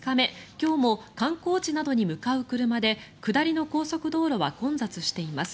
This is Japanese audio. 今日も観光地などに向かう車で下りの高速道路は混雑しています。